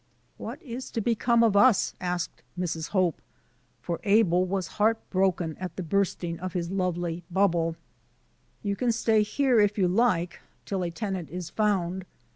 "What is to become of us?" asked Mrs. Hope, for Abel was heart broken at the biu"sting of his lovely bubble. "You can stay here, if you hke, till a tenant is found.